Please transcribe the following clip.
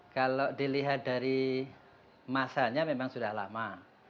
kalau dilihat dari masanya memang sudah lama